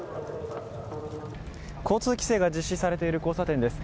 交通規制が実施されている交差点です。